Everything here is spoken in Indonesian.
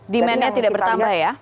demandnya tidak bertambah ya